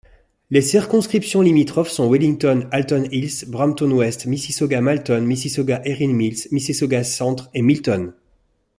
Les circonscriptions limitrophes sont Wellington—Halton Hills, Brampton-Ouest Mississauga—Malton, Mississauga—Erin Mills, Mississauga-Centre et Milton.